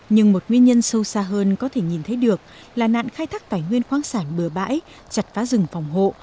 nhưng một nguyên nhân sâu xa hơn có thể nhìn thấy được là nạn khai thác tài nguyên khoáng sản bờ bãi chặt phá rừng phòng hộ